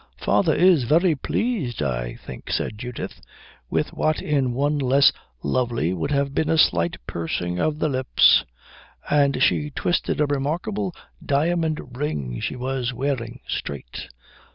"Father is very pleased, I think," said Judith, with what in one less lovely would have been a slight pursing of the lips. And she twisted a remarkable diamond ring she was wearing straight.